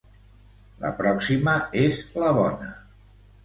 La pròxima és la bona.